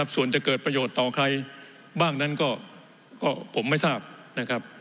ส่วนจะเกิดประโยชน์ต่อใครบ้างนั้นก็ผมไม่ทราบนะครับ